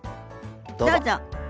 どうぞ。